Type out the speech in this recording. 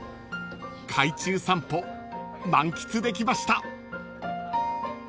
［海中散歩満喫できました］